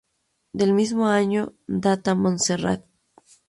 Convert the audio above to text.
Del mismo año data "Monserrat".